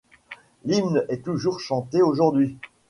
L'hymne est toujours chantée aujourd'hui.